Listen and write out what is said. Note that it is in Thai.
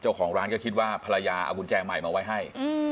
เจ้าของร้านก็คิดว่าภรรยาเอากุญแจใหม่มาไว้ให้